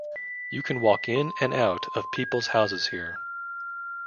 You can walk in and out of people's houses here.